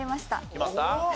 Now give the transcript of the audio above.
決まった？